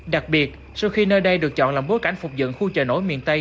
đặc biệt sau khi nơi đây được chọn làm bối cảnh phục dựng khu trời nổi miền tây